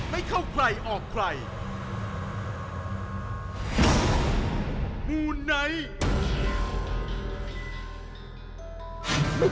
ไม่เชื่ออย่ารบหลุมมูเตรลุไม่เข้าใครออกใคร